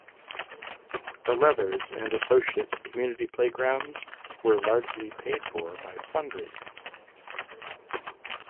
The Leathers and Associates community playgrounds were largely paid for by fundraising.